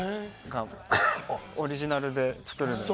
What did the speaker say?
オリジナルで作るので。